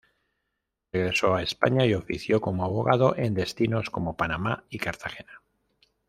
Regresó a España y ofició como abogado en destinos como Panamá y Cartagena.